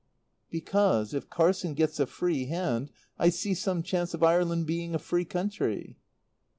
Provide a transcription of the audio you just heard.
"Because if Carson gets a free hand I see some chance of Ireland being a free country."